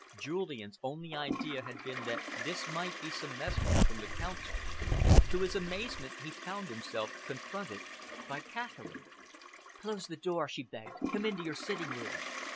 Julian's only idea had been that this might be some messenger from the Council. To his amazement he found himself confronted by Catherine. "Close the door," she begged. "Come into your sitting room."